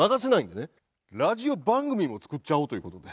ラジオ番組も作っちゃおうという事で。